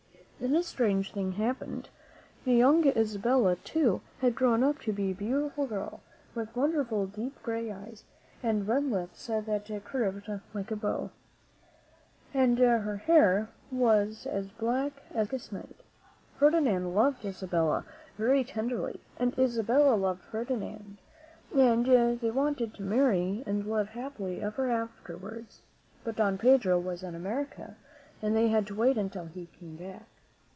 Then a strange thing happened. The young Isabella, too, had grown up to be a beautiful girl, with wonderful deep gray eyes, and red lips that curved like a bow, and her hair was as black as the darkest night. Ferdinand loved Isabella very tenderly, and Isabella loved Ferdinand, and they wanted to marry and live happily ever after wards. But Don Pedro was away in America and they had to wait until he came back.